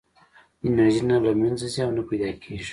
انرژي نه له منځه ځي او نه پیدا کېږي.